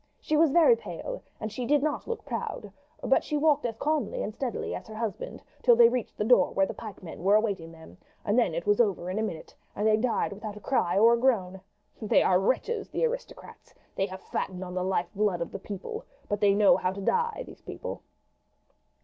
She was very pale, and she did not look proud, but she walked as calmly and steadily as her husband till they reached the door where the pikemen were awaiting them, and then it was over in a minute, and they died without a cry or a groan. They are wretches, the aristocrats. They have fattened on the life blood of the people; but they know how to die, these people."